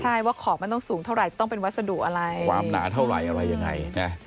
ใช่ว่าขอบมันต้องสูงเท่าไหร่จะต้องเป็นวัสดุอะไรความหนาเท่าไหร่อะไรยังไงนะ